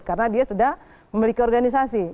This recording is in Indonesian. karena dia sudah memiliki organisasi